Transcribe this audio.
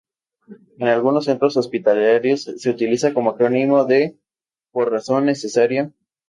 En algunos centros hospitalarios, se utiliza como acrónimo de "Por Razón Necesaria"